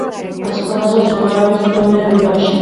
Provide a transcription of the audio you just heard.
ასპარეზობს უკრაინის პრემიერლიგაში.